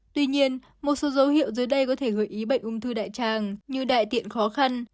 tuy nhiên một số dấu hiệu dưới đây có thể gợi ý bệnh ung thư đại tràng như đại tiện khó khăn